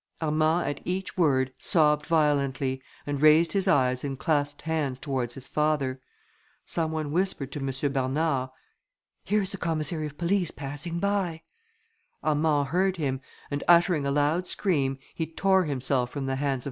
Armand at each word sobbed violently, and raised his eyes and clasped hands towards his father. Some one whispered to M. Bernard, "Here is the commissary of police passing by." Armand heard him, and uttering a loud scream, he tore himself from the hands of M.